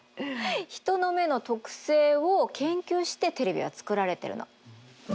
人の目の特性を研究してテレビは作られてるの。